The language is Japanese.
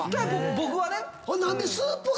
僕はね。